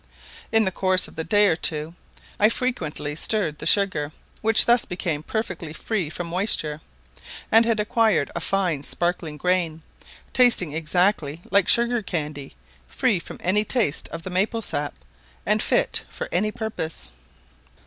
In the course of the day or two, I frequently stirred the sugar, which thus became perfectly free from moisture, and had acquired a fine sparkling grain, tasting exactly like sugar candy, free from any taste of the maple sap, and fit for any purpose.